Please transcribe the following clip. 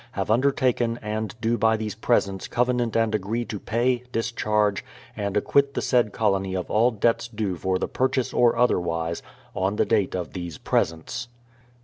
have undertaken and do by these presents covenant and agree to pay, discharge, and acquit the said colony of all debts due for the purchase or otherwise, on the date of these presents.